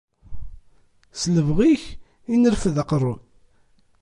S lebɣi-k i nreffed aqerru.